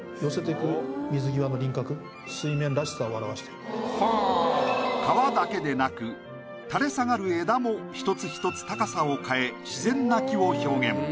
この川だけでなく垂れ下がる枝も一つ一つ高さを変え自然な木を表現。